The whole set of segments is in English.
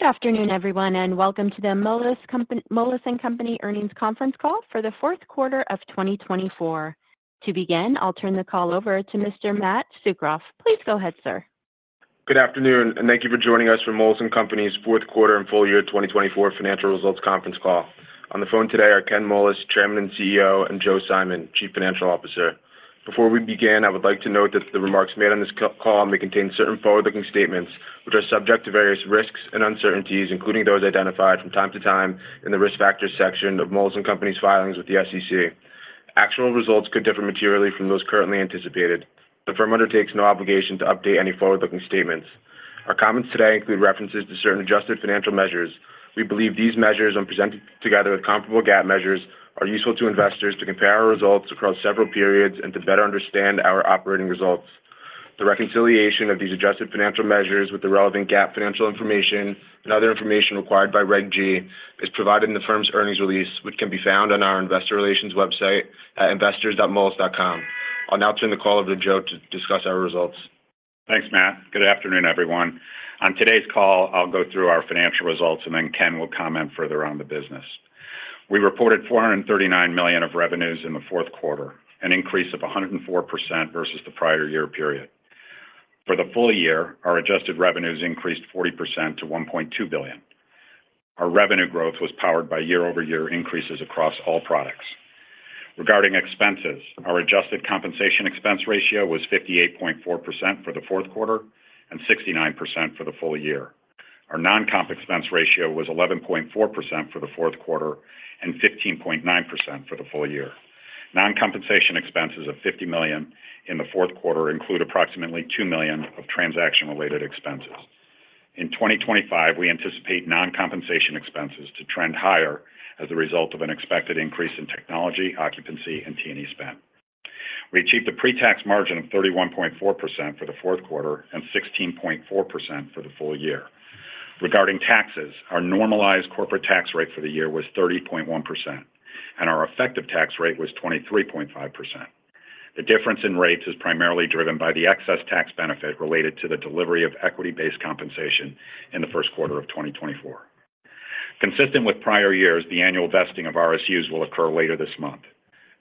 Good afternoon, everyone, and welcome to the Moelis & Company earnings conference call for the fourth quarter of 2024. To begin, I'll turn the call over to Mr. Matt Tsukroff. Please go ahead, sir. Good afternoon, and thank you for joining us for Moelis & Company's fourth quarter and full year 2024 financial results conference call. On the phone today are Ken Moelis, Chairman and CEO, and Joe Simon, Chief Financial Officer. Before we begin, I would like to note that the remarks made on this call may contain certain forward-looking statements, which are subject to various risks and uncertainties, including those identified from time to time in the risk factors section of Moelis & Company's filings with the SEC. Actual results could differ materially from those currently anticipated. The firm undertakes no obligation to update any forward-looking statements. Our comments today include references to certain adjusted financial measures. We believe these measures, when presented together with comparable GAAP measures, are useful to investors to compare our results across several periods and to better understand our operating results. The reconciliation of these adjusted financial measures with the relevant GAAP financial information and other information required by Regulation G is provided in the firm's earnings release, which can be found on our investor relations website at investors.moelis.com. I'll now turn the call over to Joe to discuss our results. Thanks, Matt. Good afternoon, everyone. On today's call, I'll go through our financial results, and then Ken will comment further on the business. We reported $439 million of revenues in the fourth quarter, an increase of 104% versus the prior year period. For the full-year, our adjusted revenues increased 40% to $1.2 billion. Our revenue growth was powered by year-over-year increases across all products. Regarding expenses, our adjusted compensation expense ratio was 58.4% for the fourth quarter and 69% for the full-year. Our non-comp expense ratio was 11.4% for the fourth quarter and 15.9% for the full-year. Non-compensation expenses of $50 million in the fourth quarter include approximately $2 million of transaction-related expenses. In 2025, we anticipate non-compensation expenses to trend higher as a result of an expected increase in technology, occupancy, and T&E spend. We achieved a pre-tax margin of 31.4% for the fourth quarter and 16.4% for the full-year. Regarding taxes, our normalized corporate tax rate for the year was 30.1%, and our effective tax rate was 23.5%. The difference in rates is primarily driven by the excess tax benefit related to the delivery of equity-based compensation in the first quarter of 2024. Consistent with prior years, the annual vesting of RSUs will occur later this month.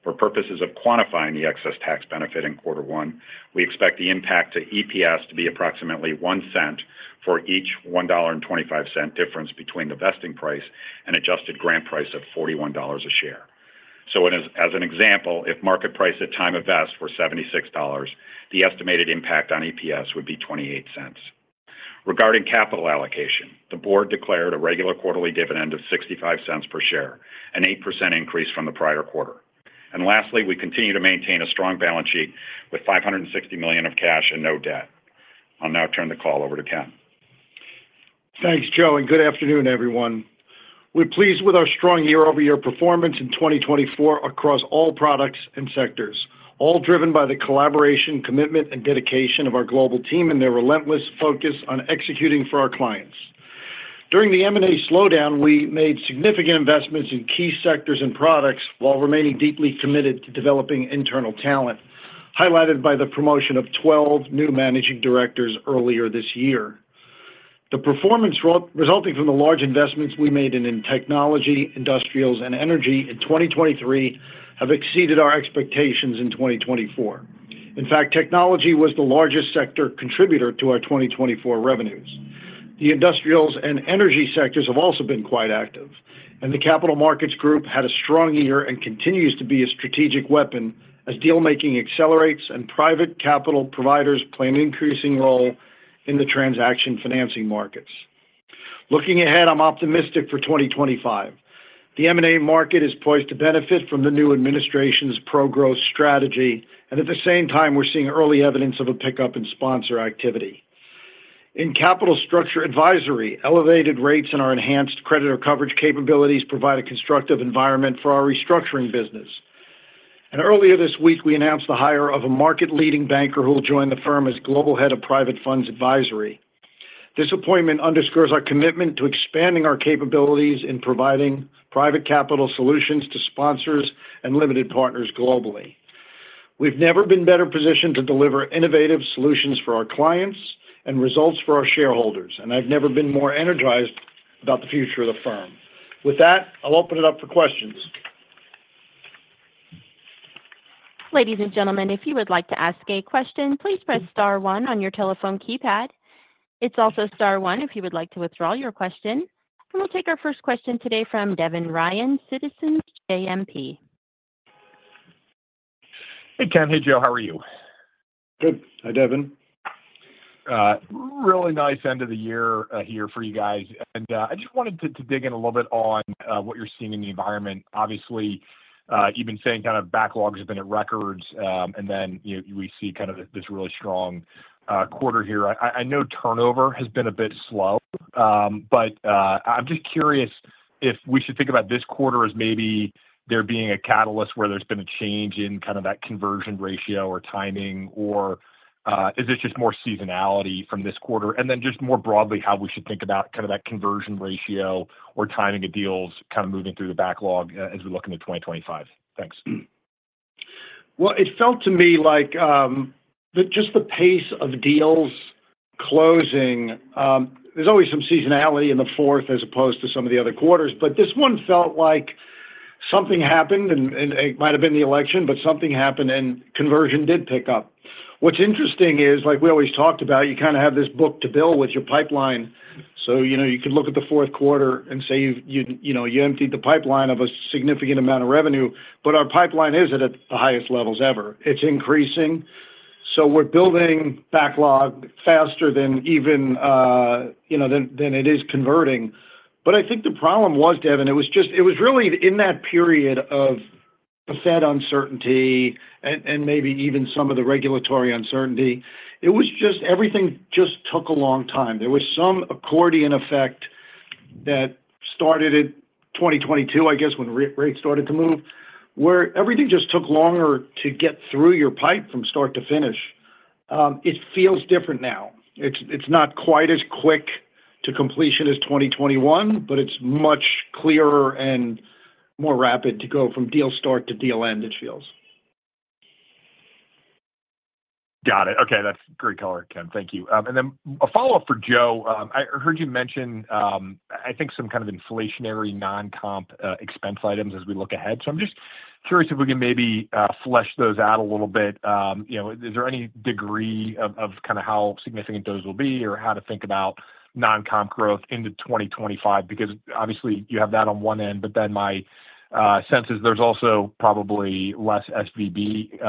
For purposes of quantifying the excess tax benefit in quarter one, we expect the impact to EPS to be approximately $0.1 for each $1.25 difference between the vesting price and adjusted grant price of $41 a share. So, as an example, if market price at time of vest were $76, the estimated impact on EPS would be $0.28. Regarding capital allocation, the board declared a regular quarterly dividend of $0.65 per share, an 8% increase from the prior quarter. Lastly, we continue to maintain a strong balance sheet with $560 million of cash and no debt. I'll now turn the call over to Ken. Thanks, Joe, and good afternoon, everyone. We're pleased with our strong year-over-year performance in 2024 across all products and sectors, all driven by the collaboration, commitment, and dedication of our global team and their relentless focus on executing for our clients. During the M&A slowdown, we made significant investments in key sectors and products while remaining deeply committed to developing internal talent, highlighted by the promotion of 12 new Managing Directors earlier this year. The performance resulting from the large investments we made in technology, industrials, and energy in 2023 have exceeded our expectations in 2024. In fact, technology was the largest sector contributor to our 2024 revenues. The industrials and energy sectors have also been quite active, and the capital markets group had a strong year and continues to be a strategic weapon as dealmaking accelerates and private capital providers play an increasing role in the transaction financing markets. Looking ahead, I'm optimistic for 2025. The M&A market is poised to benefit from the new administration's pro-growth strategy, and at the same time, we're seeing early evidence of a pickup in sponsor activity. In capital structure advisory, elevated rates and our enhanced creditor coverage capabilities provide a constructive environment for our restructuring business. And earlier this week, we announced the hire of a market-leading banker who will join the firm as Global Head of Private Funds Advisory. This appointment underscores our commitment to expanding our capabilities in providing private capital solutions to sponsors and limited partners globally. We've never been better positioned to deliver innovative solutions for our clients and results for our shareholders, and I've never been more energized about the future of the firm. With that, I'll open it up for questions. Ladies and gentlemen, if you would like to ask a question, please press star one on your telephone keypad. It's also star one if you would like to withdraw your question. And we'll take our first question today from Devin Ryan, Citizens JMP. Hey, Ken. Hey, Joe. How are you? Good. Hi, Devin. Really nice end of the year here for you guys, and I just wanted to dig in a little bit on what you're seeing in the environment. Obviously, you've been saying kind of backlogs have been at records, and then we see kind of this really strong quarter here. I know turnover has been a bit slow, but I'm just curious if we should think about this quarter as maybe there being a catalyst where there's been a change in kind of that conversion ratio or timing, or is it just more seasonality from this quarter, and then just more broadly, how we should think about kind of that conversion ratio or timing of deals kind of moving through the backlog as we look into 2025. Thanks. It felt to me like just the pace of deals closing. There's always some seasonality in the fourth as opposed to some of the other quarters, but this one felt like something happened, and it might have been the election, but something happened, and conversion did pick up. What's interesting is, like we always talked about, you kind of have this book to bill with your pipeline. So you could look at the fourth quarter and say you emptied the pipeline of a significant amount of revenue, but our pipeline is at the highest levels ever. It's increasing. So we're building backlog faster than even than it is converting. But I think the problem was, Devin, it was really in that period of the Fed uncertainty and maybe even some of the regulatory uncertainty. It was just everything just took a long time. There was some accordion effect that started in 2022, I guess, when rates started to move, where everything just took longer to get through your pipe from start to finish. It feels different now. It's not quite as quick to completion as 2021, but it's much clearer and more rapid to go from deal start to deal end, it feels. Got it. Okay. That's great color, Ken. Thank you. And then a follow-up for Joe. I heard you mention, I think, some kind of inflationary non-comp expense items as we look ahead. So I'm just curious if we can maybe flesh those out a little bit. Is there any degree of kind of how significant those will be, or how to think about non-comp growth into 2025? Because obviously, you have that on one end, but then my sense is there's also probably less SVB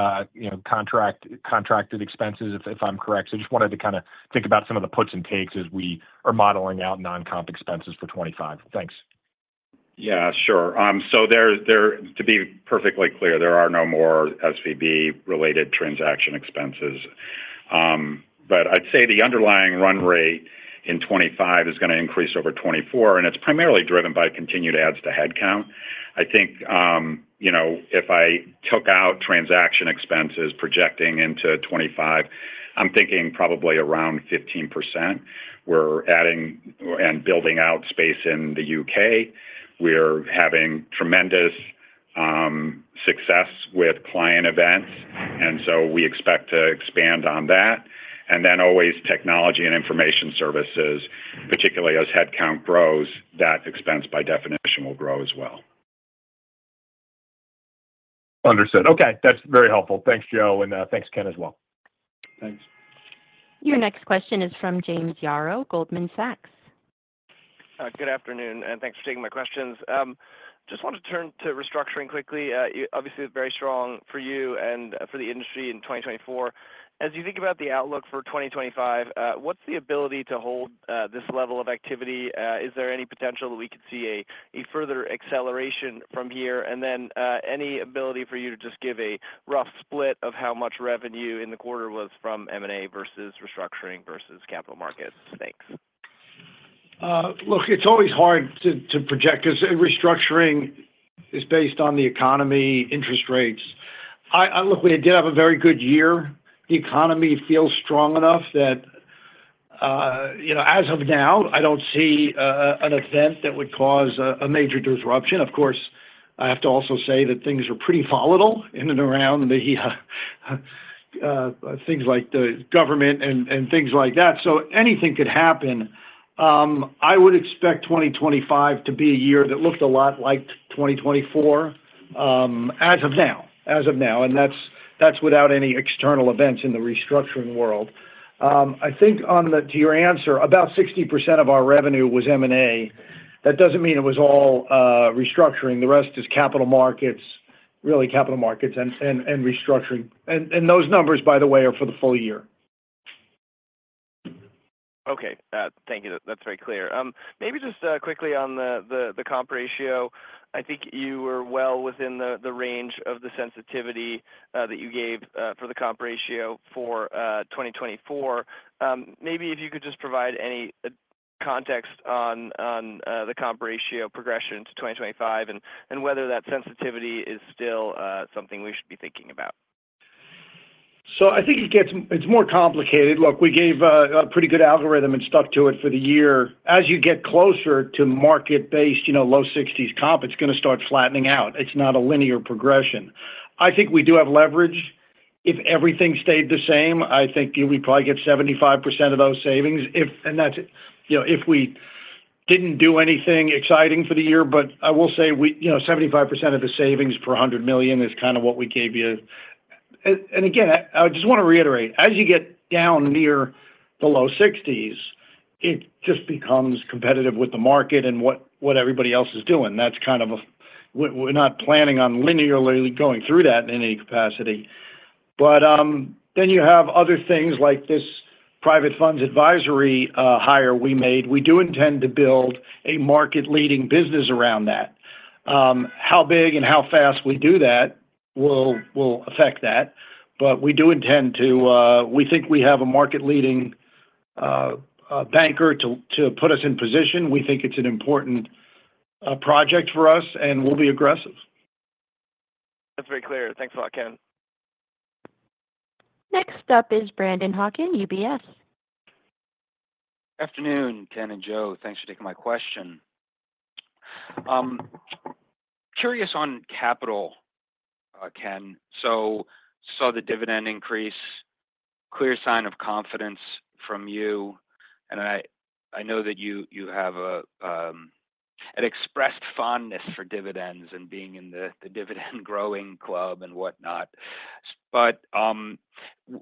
contracted expenses, if I'm correct. So I just wanted to kind of think about some of the puts and takes as we are modeling out non-comp expenses for 2025. Thanks. Yeah, sure. So to be perfectly clear, there are no more SVB-related transaction expenses. But I'd say the underlying run rate in 2025 is going to increase over 2024, and it's primarily driven by continued adds to headcount. I think if I took out transaction expenses projecting into 2025, I'm thinking probably around 15%. We're adding and building out space in the U.K. We're having tremendous success with client events, and so we expect to expand on that. And then always technology and information services, particularly as headcount grows, that expense by definition will grow as well. Understood. Okay. That's very helpful. Thanks, Joe, and thanks, Ken, as well. Thanks. Your next question is from James Yaro, Goldman Sachs. Good afternoon, and thanks for taking my questions. Just want to turn to restructuring quickly. Obviously, it's very strong for you and for the industry in 2024. As you think about the outlook for 2025, what's the ability to hold this level of activity? Is there any potential that we could see a further acceleration from here? And then any ability for you to just give a rough split of how much revenue in the quarter was from M&A versus restructuring versus capital markets? Thanks. Look, it's always hard to project because restructuring is based on the economy, interest rates. Look, we did have a very good year. The economy feels strong enough that as of now, I don't see an event that would cause a major disruption. Of course, I have to also say that things are pretty volatile in and around things like the government and things like that. So anything could happen. I would expect 2025 to be a year that looked a lot like 2024 as of now, as of now, and that's without any external events in the restructuring world. I think on to your answer, about 60% of our revenue was M&A. That doesn't mean it was all restructuring. The rest is capital markets, really capital markets and restructuring. And those numbers, by the way, are for the full-year. Okay. Thank you. That's very clear. Maybe just quickly on the compa ratio, I think you were well within the range of the sensitivity that you gave for the compa ratio for 2024. Maybe if you could just provide any context on the compa ratio progression to 2025 and whether that sensitivity is still something we should be thinking about? I think it's more complicated. Look, we gave a pretty good algorithm and stuck to it for the year. As you get closer to market-based low 60s compa, it's going to start flattening out. It's not a linear progression. I think we do have leverage. If everything stayed the same, I think we'd probably get 75% of those savings. And that's if we didn't do anything exciting for the year, but I will say 75% of the savings per $100 million is kind of what we gave you. And again, I just want to reiterate, as you get down near the low 60s, it just becomes competitive with the market and what everybody else is doing. That's kind of where we're not planning on linearly going through that in any capacity. But then you have other things like this Private Funds Advisory hire we made. We do intend to build a market-leading business around that. How big and how fast we do that will affect that. But we think we have a market-leading banker to put us in position. We think it's an important project for us, and we'll be aggressive. That's very clear. Thanks a lot, Ken. Next up is Brennan Hawken, UBS. Good afternoon, Ken and Joe. Thanks for taking my question. Curious on capital, Ken. So saw the dividend increase, clear sign of confidence from you. And I know that you have an expressed fondness for dividends and being in the dividend-growing club and whatnot. But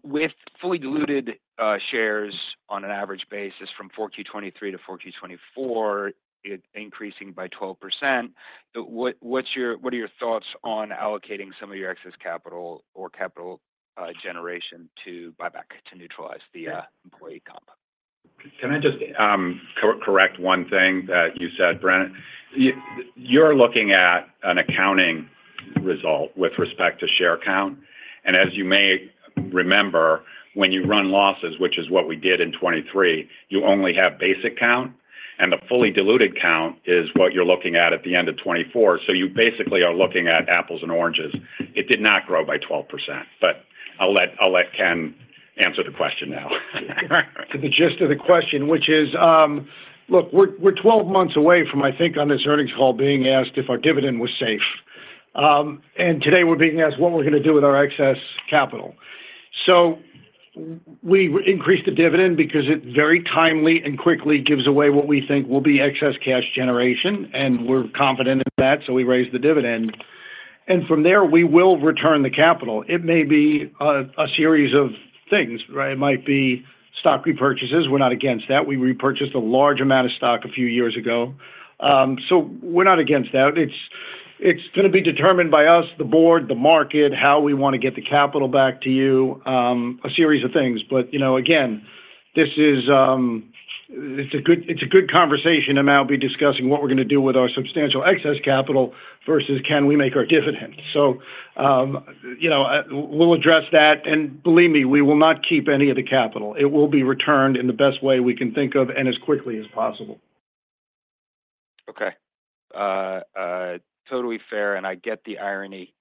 with fully diluted shares on an average basis from 4Q 2023 to 4Q 2024, increasing by 12%, what are your thoughts on allocating some of your excess capital or capital generation to buybacks to neutralize the employee compa? Can I just correct one thing that you said, Brennan? You're looking at an accounting result with respect to share count. And as you may remember, when you run losses, which is what we did in 2023, you only have basic count. And the fully diluted count is what you're looking at at the end of 2024. So you basically are looking at apples and oranges. It did not grow by 12%. But I'll let Ken answer the question now. To the gist of the question, which is, look, we're 12 months away from, I think, on this earnings call, being asked if our dividend was safe, and today, we're being asked what we're going to do with our excess capital, so we increased the dividend because it's very timely and quickly gives away what we think will be excess cash generation, and we're confident in that, so we raised the dividend, and from there, we will return the capital. It may be a series of things. It might be stock repurchases. We're not against that. We repurchased a large amount of stock a few years ago, so we're not against that. It's going to be determined by us, the board, the market, how we want to get the capital back to you, a series of things, but again, it's a good conversation. I'll be discussing what we're going to do with our substantial excess capital versus can we make our dividend. So we'll address that. And believe me, we will not keep any of the capital. It will be returned in the best way we can think of and as quickly as possible. Okay. Totally fair. And I get the irony,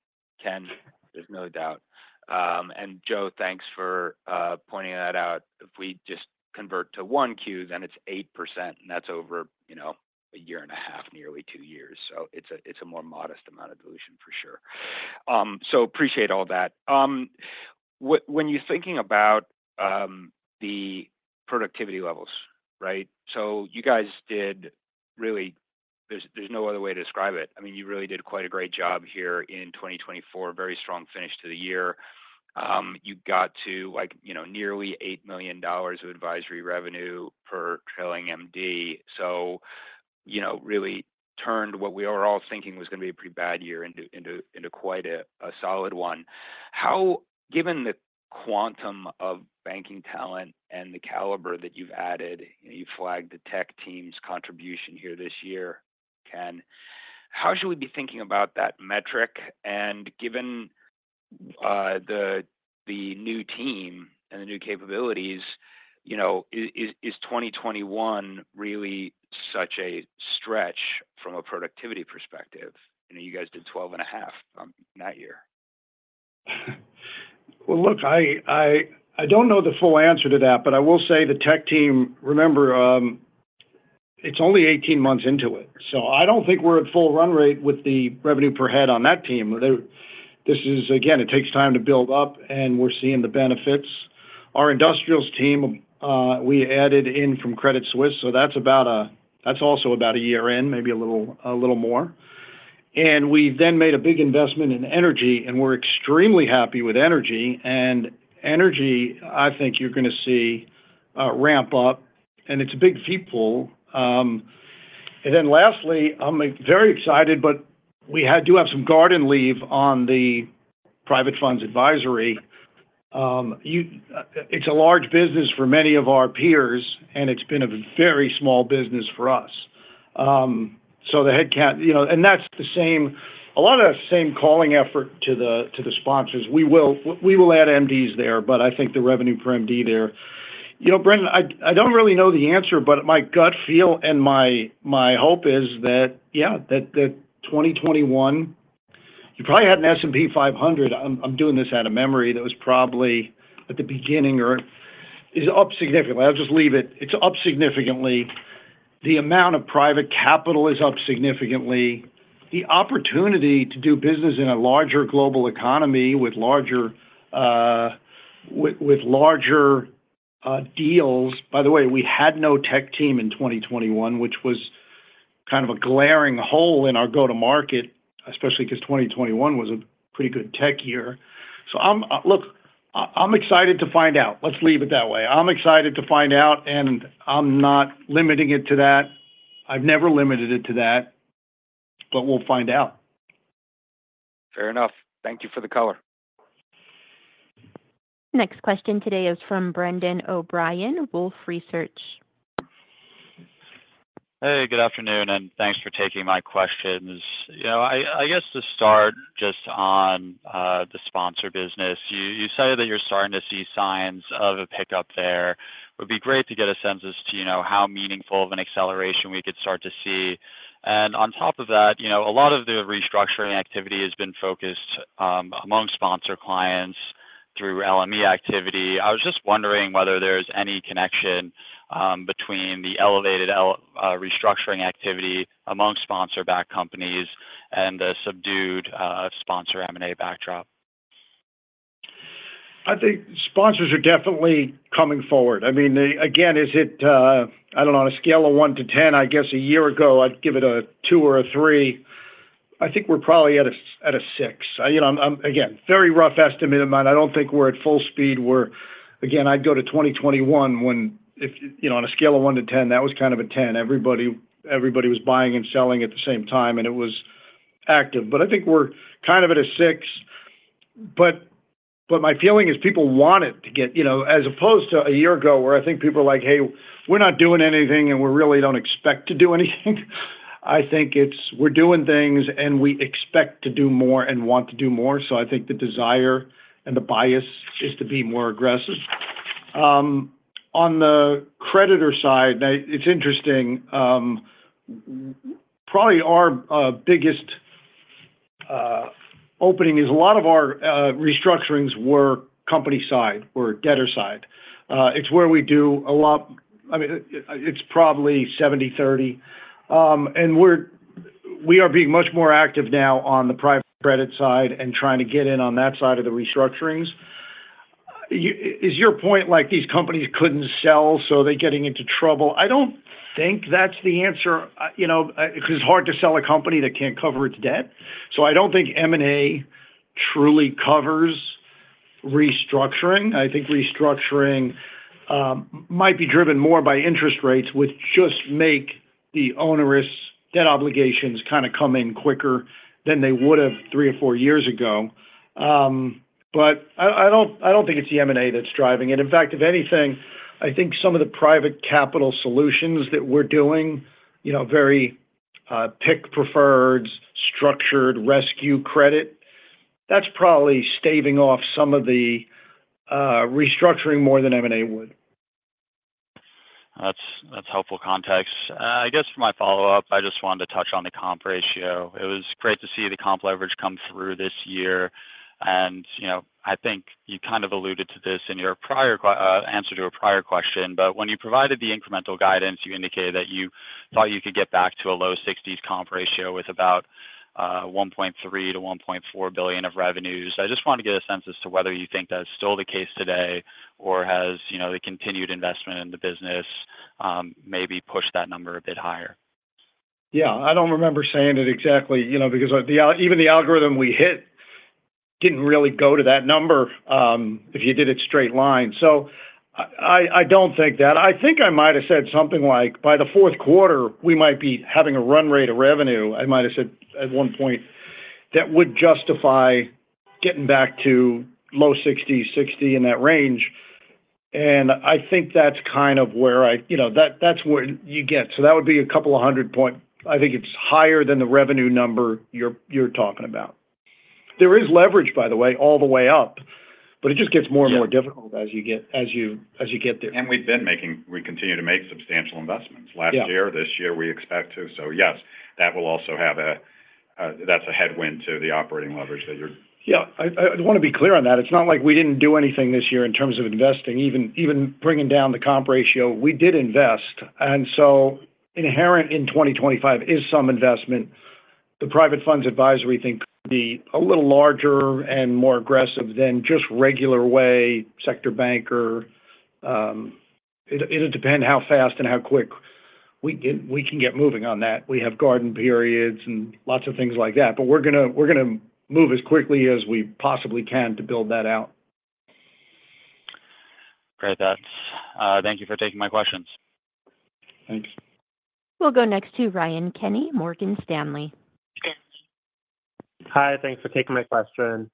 Ken. There's no doubt. And Joe, thanks for pointing that out. If we just convert to 1Q, then it's 8%, and that's over a year and a half, nearly two years. So it's a more modest amount of dilution, for sure. So appreciate all that. When you're thinking about the productivity levels, right? So you guys did really. There's no other way to describe it. I mean, you really did quite a great job here in 2024, very strong finish to the year. You got to nearly $8 million of advisory revenue per trailing MD. So really turned what we were all thinking was going to be a pretty bad year into quite a solid one. Given the quantum of banking talent and the caliber that you've added, you flagged the tech team's contribution here this year, Ken, how should we be thinking about that metric? And given the new team and the new capabilities, is 2021 really such a stretch from a productivity perspective? You guys did 12.5 in that year. Look, I don't know the full answer to that, but I will say the tech team, remember, it's only 18 months into it. I don't think we're at full run rate with the revenue per head on that team. This is, again, it takes time to build up, and we're seeing the benefits. Our industrials team, we added in from Credit Suisse, so that's about a year in, maybe a little more. We then made a big investment in energy, and we're extremely happy with energy. Energy, I think you're going to see ramp up, and it's a big vehicle. Lastly, I'm very excited, but we do have some garden leave on the private funds advisory. It's a large business for many of our peers, and it's been a very small business for us. So the headcount, and that's the same. A lot of the same calling effort to the sponsors. We will add MDs there, but I think the revenue per MD there. Brennan, I don't really know the answer, but my gut feel and my hope is that, yeah, that 2021, you probably had an S&P 500. I'm doing this out of memory. That was probably at the beginning or is up significantly. I'll just leave it. It's up significantly. The amount of private capital is up significantly. The opportunity to do business in a larger global economy with larger deals. By the way, we had no tech team in 2021, which was kind of a glaring hole in our go-to-market, especially because 2021 was a pretty good tech year. So look, I'm excited to find out. Let's leave it that way. I'm excited to find out, and I'm not limiting it to that. I've never limited it to that, but we'll find out. Fair enough. Thank you for the color. Next question today is from Brendan O'Brien, Wolfe Research. Hey, good afternoon, and thanks for taking my questions. I guess to start just on the sponsor business, you say that you're starting to see signs of a pickup there. It would be great to get a sense as to how meaningful of an acceleration we could start to see. And on top of that, a lot of the restructuring activity has been focused among sponsor clients through LME activity. I was just wondering whether there's any connection between the elevated restructuring activity among sponsor-backed companies and the subdued sponsor M&A backdrop. I think sponsors are definitely coming forward. I mean, again, is it, I don't know, on a scale of one to 10, I guess a year ago, I'd give it a two or a three. I think we're probably at a six. Again, very rough estimate of mine. I don't think we're at full speed. Again, I'd go to 2021, when on a scale of one to 10, that was kind of a 10. Everybody was buying and selling at the same time, and it was active. But I think we're kind of at a six. But my feeling is people want it to get, as opposed to a year ago where I think people were like, "Hey, we're not doing anything, and we really don't expect to do anything." I think we're doing things, and we expect to do more and want to do more. So I think the desire and the bias is to be more aggressive. On the creditor side, it's interesting. Probably our biggest opening is a lot of our restructurings were company side or debtor side. It's where we do a lot I mean, it's probably 70/30. And we are being much more active now on the private credit side and trying to get in on that side of the restructurings. Is your point like these companies couldn't sell, so they're getting into trouble? I don't think that's the answer because it's hard to sell a company that can't cover its debt. So I don't think M&A truly covers restructuring. I think restructuring might be driven more by interest rates which just make the onerous debt obligations kind of come in quicker than they would have three or four years ago. But I don't think it's the M&A that's driving it. In fact, if anything, I think some of the private capital solutions that we're doing, very picky preferred, structured rescue credit, that's probably staving off some of the restructuring more than M&A would. That's helpful context. I guess for my follow-up, I just wanted to touch on the compa ratio. It was great to see the compa leverage come through this year. And I think you kind of alluded to this in your answer to a prior question, but when you provided the incremental guidance, you indicated that you thought you could get back to a low 60s compa ratio with about $1.3 billion-$1.4 billion of revenues. I just wanted to get a sense as to whether you think that's still the case today or has the continued investment in the business maybe pushed that number a bit higher. Yeah. I don't remember saying it exactly because even the algorithm we hit didn't really go to that number if you did it straight-line. So I don't think that. I think I might have said something like, "By the fourth quarter, we might be having a run rate of revenue." I might have said at one point that would justify getting back to low 60s, 60s in that range. And I think that's kind of where I, that's what you get. So that would be a couple of hundred points. I think it's higher than the revenue number you're talking about. There is leverage, by the way, all the way up, but it just gets more and more difficult as you get there. And we've been making. We continue to make substantial investments. Last year, this year, we expect to. So yes, that will also have a. That's a headwind to the operating leverage that you're. Yeah. I want to be clear on that. It's not like we didn't do anything this year in terms of investing. Even bringing down the compa ratio, we did invest, and so inherent in 2025 is some investment. The private funds advisory thing could be a little larger and more aggressive than just regular way sector banker. It'll depend how fast and how quick we can get moving on that. We have garden leave and lots of things like that, but we're going to move as quickly as we possibly can to build that out. Great. Thank you for taking my questions. Thanks. We'll go next to Ryan Kenny, Morgan Stanley. Hi. Thanks for taking my question.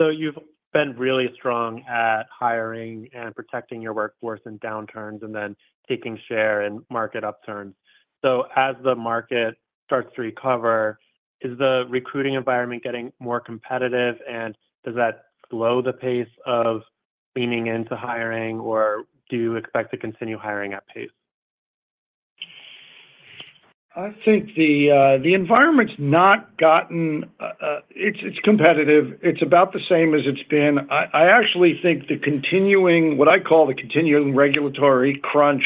So you've been really strong at hiring and protecting your workforce in downturns and then taking share and market upturns. So as the market starts to recover, is the recruiting environment getting more competitive, and does that slow the pace of leaning into hiring, or do you expect to continue hiring at pace? I think the environment's not gotten any more competitive. It's about the same as it's been. I actually think the continuing what I call regulatory crunch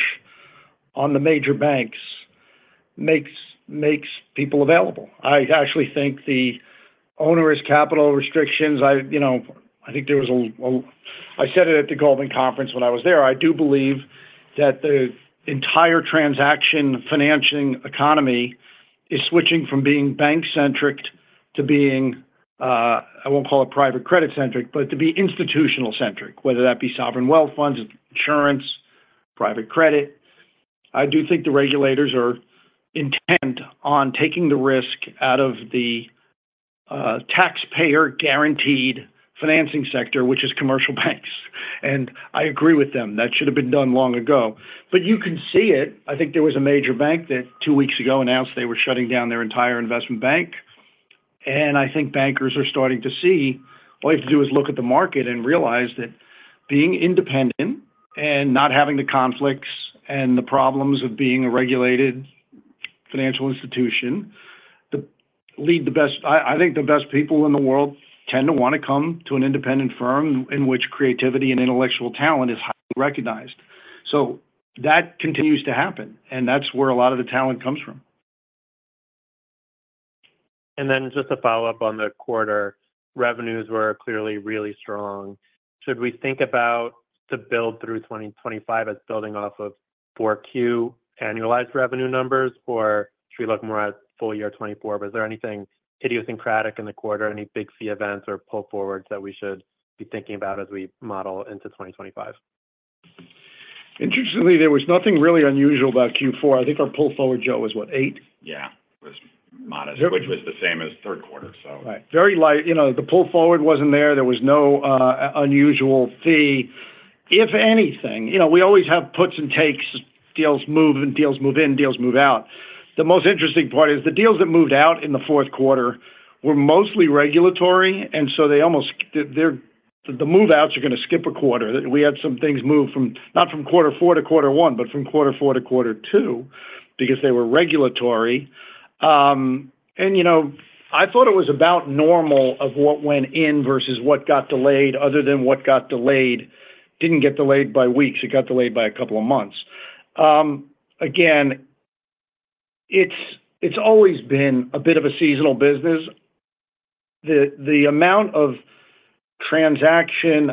on the major banks makes people available. I actually think the onerous capital restrictions. I think there was I said it at the Goldman Conference when I was there. I do believe that the entire transaction financing economy is switching from being bank-centric to being I won't call it private credit-centric, but to being institutional-centric, whether that be sovereign wealth funds, insurance, private credit. I do think the regulators intend on taking the risk out of the taxpayer-guaranteed financing sector, which is commercial banks. And I agree with them. That should have been done long ago. But you can see it. I think there was a major bank that two weeks ago announced they were shutting down their entire investment bank. And I think bankers are starting to see what they have to do is look at the market and realize that being independent and not having the conflicts and the problems of being a regulated financial institution lead the best. I think the best people in the world tend to want to come to an independent firm in which creativity and intellectual talent is highly recognized. So that continues to happen, and that's where a lot of the talent comes from. And then just to follow up on the quarter, revenues were clearly really strong. Should we think about the build through 2025 as building off of 4Q annualized revenue numbers, or should we look more at full-year 2024? Was there anything idiosyncratic in the quarter, any big fee events or pull forwards that we should be thinking about as we model into 2025? Interestingly, there was nothing really unusual about Q4. I think our pull forward, Joe, was what, 8? Yeah. It was modest, which was the same as third quarter, so. Right. Very light. The pull forward wasn't there. There was no unusual fee. If anything, we always have puts and takes. Deals move and deals move in, deals move out. The most interesting part is the deals that moved out in the fourth quarter were mostly regulatory, and so the move-outs are going to skip a quarter. We had some things move from quarter four to quarter one, but from quarter four to quarter two because they were regulatory. And I thought it was about normal of what went in versus what got delayed, other than what got delayed didn't get delayed by weeks. It got delayed by a couple of months. Again, it's always been a bit of a seasonal business. The amount of transaction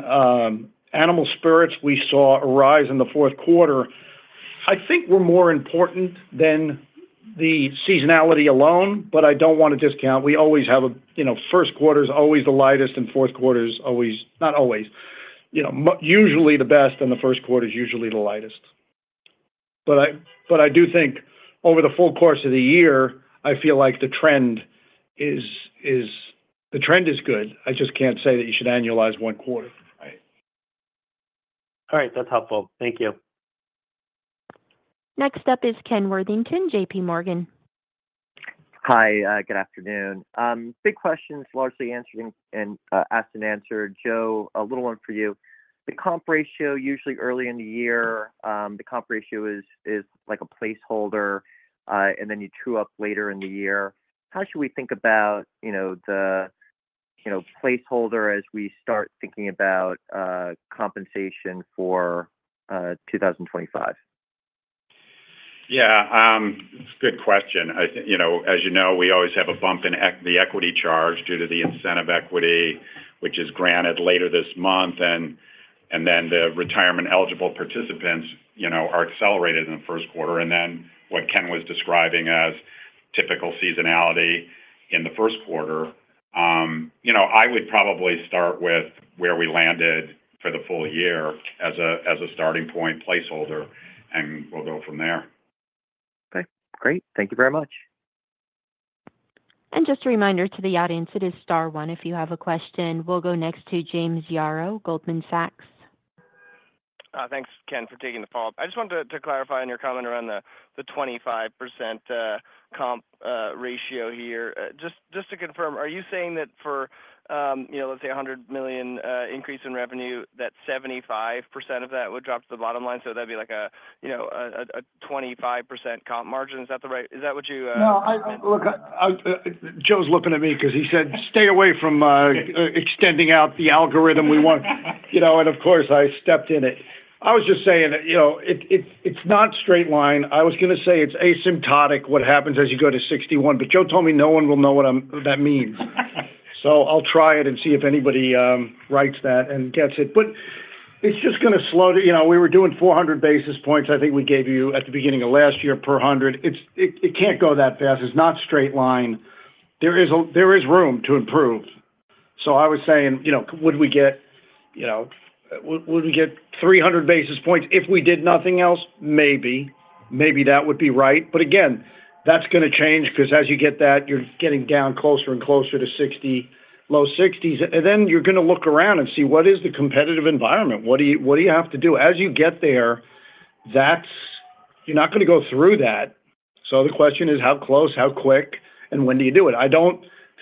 animal spirits we saw arise in the fourth quarter, I think were more important than the seasonality alone, but I don't want to discount. We always have a first quarter is always the lightest, and fourth quarter is always not always. Usually the best and the first quarter is usually the lightest. But I do think over the full course of the year, I feel like the trend is the trend is good. I just can't say that you should annualize one quarter. Right. All right. That's helpful. Thank you. Next up is Ken Worthington, JPMorgan. Hi. Good afternoon. Big questions largely answered and asked and answered. Joe, a little one for you. The compa ratio is usually early in the year, the compa ratio is like a placeholder, and then you true up later in the year. How should we think about the placeholder as we start thinking about compensation for 2025? Yeah. It's a good question. As you know, we always have a bump in the equity charge due to the incentive equity, which is granted later this month. And then the retirement-eligible participants are accelerated in the first quarter. And then what Ken was describing as typical seasonality in the first quarter, I would probably start with where we landed for the full year as a starting point placeholder, and we'll go from there. Okay. Great. Thank you very much. Just a reminder to the audience, it is Star One if you have a question. We'll go next to James Yaro, Goldman Sachs. Thanks, Ken, for taking the call. I just wanted to clarify on your comment around the 25% compa ratio here. Just to confirm, are you saying that for, let's say, $100 million increase in revenue, that 75% of that would drop to the bottom line? So that'd be like a 25% compa margin. Is that right? Is that what you? No. Look, Joe's looking at me because he said, "Stay away from extending out the algorithm we want." And of course, I stepped in it. I was just saying that it's not a straight line. I was going to say it's asymptotic what happens as you go to 61, but Joe told me no one will know what that means. So I'll try it and see if anybody writes that and gets it. But it's just going to slow. We were doing 400 basis points, I think we gave you at the beginning of last year per 100. It can't go that fast. It's not a straight line. There is room to improve. So I was saying, would we get 300 basis points? If we did nothing else, maybe. Maybe that would be right. But again, that's going to change because as you get that, you're getting down closer and closer to low 60s, and then you're going to look around and see what is the competitive environment. What do you have to do? As you get there, you're not going to go through that, so the question is how close, how quick, and when do you do it? I don't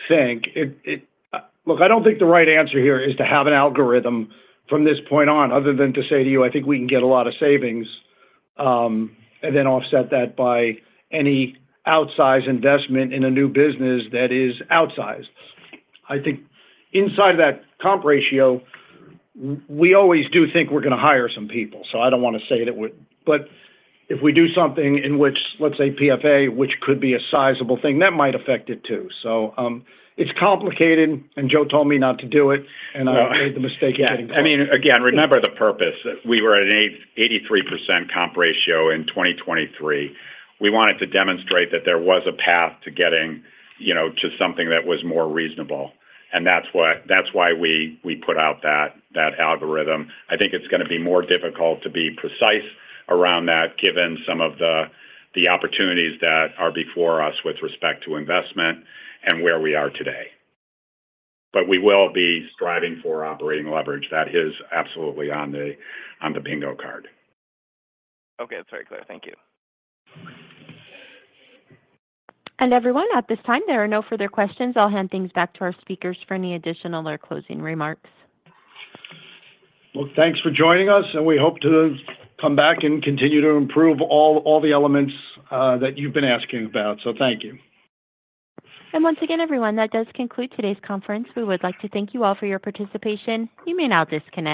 think the right answer here is to have an algorithm from this point on, other than to say to you, "I think we can get a lot of savings," and then offset that by any outsized investment in a new business that is outsized. I think inside of that compa ratio, we always do think we're going to hire some people. So I don't want to say that we're but if we do something in which, let's say, PFA, which could be a sizable thing, that might affect it too. So it's complicated, and Joe told me not to do it, and I made the mistake of getting close. Yeah. I mean, again, remember the purpose. We were at an 83% compa ratio in 2023. We wanted to demonstrate that there was a path to getting to something that was more reasonable. And that's why we put out that algorithm. I think it's going to be more difficult to be precise around that, given some of the opportunities that are before us with respect to investment and where we are today. But we will be striving for operating leverage. That is absolutely on the bingo card. Okay. That's very clear. Thank you. Everyone, at this time, there are no further questions. I'll hand things back to our speakers for any additional or closing remarks. Thanks for joining us, and we hope to come back and continue to improve all the elements that you've been asking about. Thank you. And once again, everyone, that does conclude today's conference. We would like to thank you all for your participation. You may now disconnect.